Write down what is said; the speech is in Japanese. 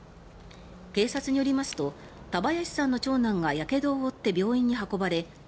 警察によりますと田林さんの長男がやけどを負って病院に運ばれ